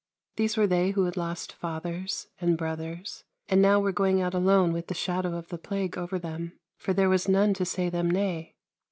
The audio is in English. These were they who had lost fathers and brothers, and now were going out alone with the shadow of the plague over them, for there was none to say them nay.